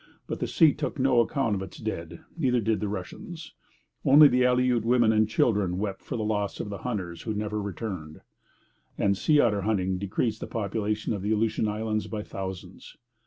But the sea took no account of its dead; neither did the Russians. Only the Aleut women and children wept for the loss of the hunters who never returned; and sea otter hunting decreased the population of the Aleutian Islands by thousands.